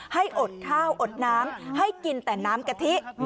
ให้อดข้าวอดน้ำให้กินแต่น้ำกะทิ